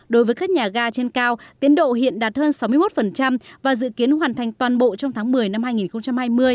đối với các nhà ga trên cao tiến độ hiện đạt hơn sáu mươi một và dự kiến hoàn thành toàn bộ trong tháng một mươi năm hai nghìn hai mươi